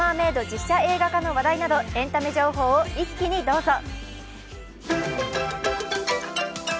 実写映画化の話題などエンタメ情報を一気にどうぞ。